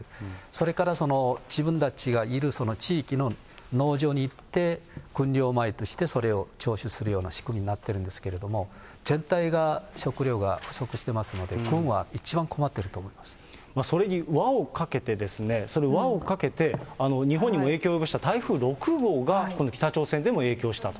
それから自分たちがいるその地域の農場に行って、軍用米としてそれを徴収するような仕組みになっているんですけれども、全体が食料が不足してますので、それに輪をかけてですね、それ、輪をかけて、日本にも影響を及ぼした台風６号がこの北朝鮮でも影響したと。